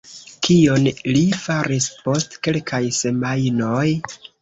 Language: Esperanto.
Kion li faris post kelkaj semajnoj?